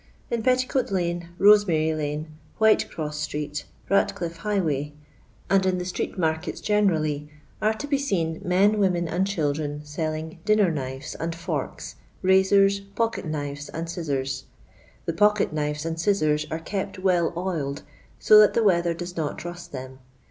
In Fetticoat hne, Rosemary lane, Whitecross street, Ratcliff highway, and in the street markets generally, are to be seen men, women, and children selling dinner knives and forts, razors, focket'knivis, and scissors. The pocket knives and scissors are kept well oiled, so that the wea ther does not rust them.